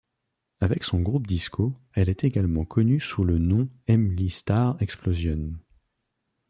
Avec son groupe disco elle est également connue sous le nom Emly Starr Explosion.